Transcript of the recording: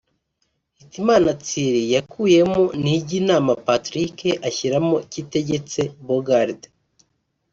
Hitimana Thierry yakuyemo Ntijyinama Patrick ashyiramo Kitegetse Bogarde